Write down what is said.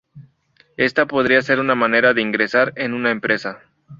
Esta podría ser una manera de ingresar en una empresa.